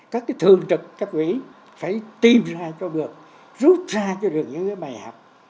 các thường trực cấp ủy phải tìm ra cho được rút ra cho được những bài học